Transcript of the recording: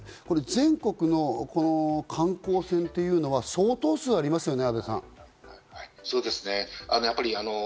全国の観光船というのは相当数ありますよね。